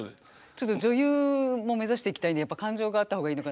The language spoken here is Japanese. ちょっと女優も目指していきたいんでやっぱり感情があった方がいいのかな。